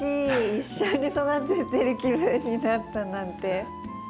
一緒に育ててる気分になったなんて。